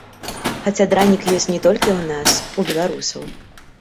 Хаця дранік ёсць не толькі ў нас, у беларусаў.